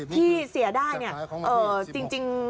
ที่เสียได้จริง